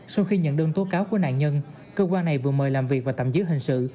sau khi nhận đơn tố cáo của nạn nhân cơ quan này vừa mời làm việc và tạm giữ hình sự